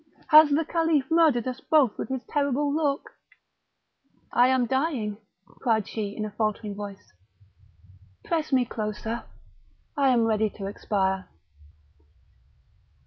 Hath the Caliph murdered us both with his terrible look?" "I am dying!" cried she in a faltering voice; "press me closer; I am ready to expire!"